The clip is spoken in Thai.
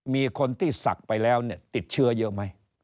มีคนที่ศักดิ์ไปแล้วเนี่ยติดเชื้อเยอะไหม